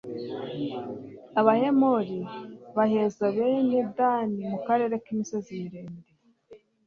abahemori baheza bene dani mu karere k'imisozi miremire